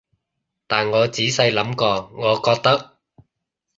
但我仔細諗過，我覺得